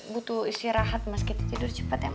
butuh istirahat mas kita tidur cepet ya